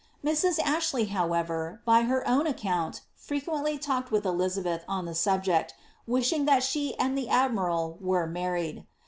^ Mrs. Ashley, however, by her own account, frequently talked with Elizabeth on the subject, wishing that she and the admiral were married.